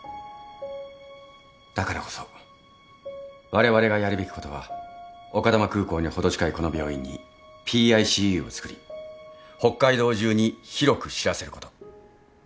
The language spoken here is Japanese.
だからこそわれわれがやるべきことは丘珠空港に程近いこの病院にＰＩＣＵを作り北海道中に広く知らせること。